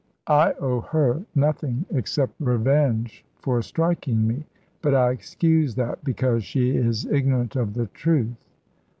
"I owe her nothing except revenge for striking me. But I excuse that because she is ignorant of the truth."